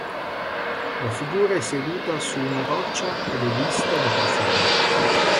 La figura è seduta su una roccia ed è vista di profilo.